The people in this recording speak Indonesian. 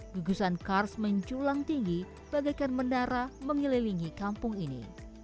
gugusan kars menjulang tinggi bagaikan mendara mengelilingi kampung ini